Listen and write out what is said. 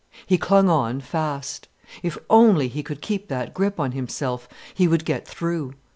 He clung on fast. If only he could keep that grip on himself, he would get through.